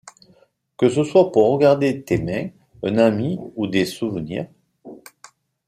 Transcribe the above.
Que ce soit pour regarder tes mains, un ami ou des souvenirs…